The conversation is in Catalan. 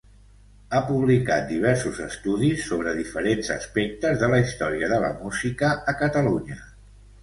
Ha publicat diversos estudis sobre diferents aspectes de la història de la música a Catalunya.